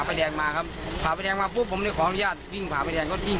เพราะฉะนั้นว่ารุวอีกนาท๊ะนมต้องเดิน